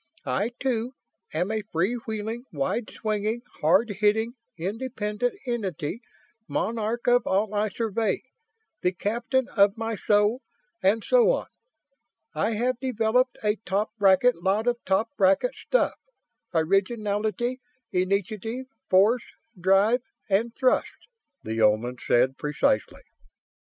I, too, am a free wheeling, wide swinging, hard hitting, independent entity monarch of all I survey the captain of my soul and so on. I have developed a top bracket lot of top bracket stuff originality, initiative, force, drive and thrust," the Oman said precisely.